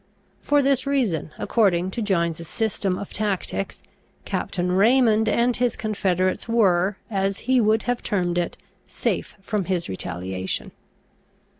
For this reason, according to Gines's system of tactics, Captain Raymond and his confederates were, as he would have termed it, safe from his retaliation.